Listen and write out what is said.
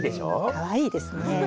かわいいですね。